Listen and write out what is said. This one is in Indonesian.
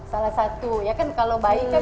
salah satu ya kan kalau bayi kan